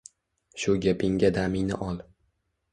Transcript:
Shu gapingga damingni ol!